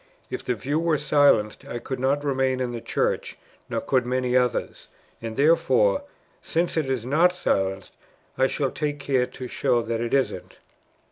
If the view were silenced, I could not remain in the Church, nor could many others; and therefore, since it is not silenced, I shall take care to show that it isn't."